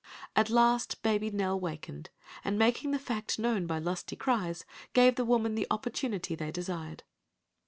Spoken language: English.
At last baby Nell wakened, and making the fact known by lusty cries, gave the women the opportunity they desired.